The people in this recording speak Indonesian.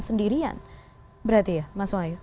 sendirian berarti ya mas wahyu